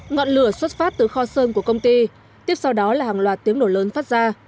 ngọn lửa xuất phát từ kho sơn của công ty tiếp sau đó là hàng loạt tiếng nổ lớn phát ra